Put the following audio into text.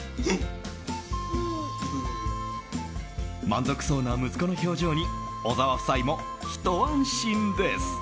満足そうな息子の表情に小澤夫妻もひと安心です。